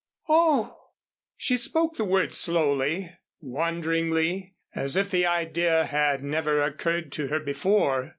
"Oh!" She spoke the word slowly wonderingly as if the idea had never occurred to her before.